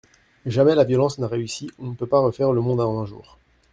Jamais la violence n'a réussi, on ne peut pas refaire le monde en un jour.